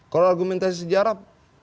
kalau argumentasi sejarah